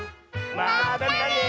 まったね！